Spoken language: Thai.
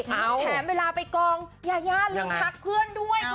แถมเวลาไปกองยามึงพักเพื่อนด้วยทุกค้า